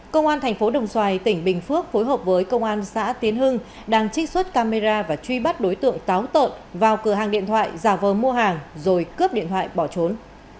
công an thành phố đồng xoài tỉnh bình phước phối hợp với công an xã tiến hưng đang trích xuất camera và truy bắt đối tượng táo tợn vào cửa hàng điện thoại giả vờ mua hàng rồi cướp điện thoại bỏ trốn